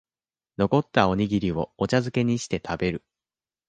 残ったおにぎりをお茶づけにして食べる